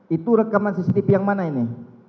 itu rekaman cctv yang mana ini